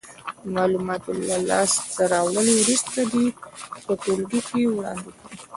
د معلوماتو له لاس ته راوړلو وروسته دې په ټولګي کې وړاندې کړې.